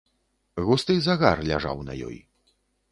Густы загар ляжаў на ёй.